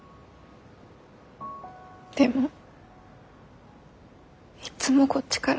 でもいっつもこっちから。